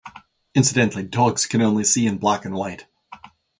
Incidentally, dogs can only see in black and white.